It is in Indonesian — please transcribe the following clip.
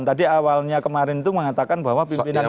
tadi awalnya kemarin itu mengatakan bahwa pimpinan yang lain